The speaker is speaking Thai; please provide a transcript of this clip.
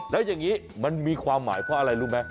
แล้วอย่างนี้มันมีความหมายเพราะอะไรรู้ไหม